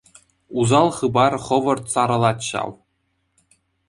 Усал хыпар хӑвӑрт сарӑлать ҫав.